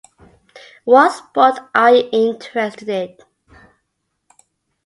آپ کس کھیل میں دلچسپی رکھتے ہیں؟